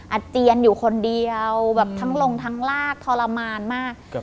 อาเจียนอยู่คนเดียวแบบทั้งลงทั้งลากทรมานมาก